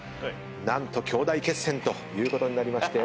何と兄弟決戦ということになりまして。